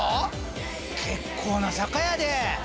結構な坂やで！